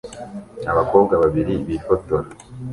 Abakobwa babiri bifotora